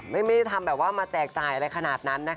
ไม่ได้ทำแบบว่ามาแจกจ่ายอะไรขนาดนั้นนะคะ